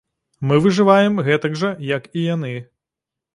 Мы выжываем гэтак жа, як і яны.